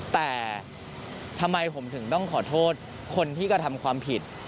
แต่ทำไมผมถึงต้องขอโทษคนที่กระทำความผิด